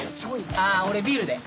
⁉あ俺ビールで。